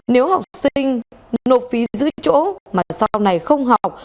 nếu học sinh nộp phí giữ chỗ mà sau này không học